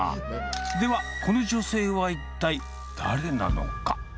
では、この女性は一体誰なのか。